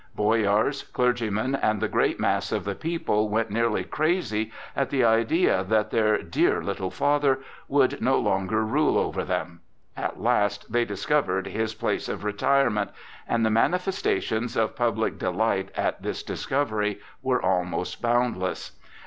Boyars, clergymen, and the great mass of the people went nearly crazy at the idea that their "dear little father" would no longer rule over them. At last they discovered his place of retirement, and the manifestations of public delight at this discovery were almost boundless.